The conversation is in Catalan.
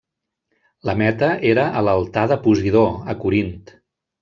La meta era a l'altar de Posidó, a Corint.